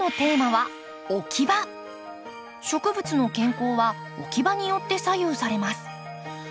植物の健康は置き場によって左右されます。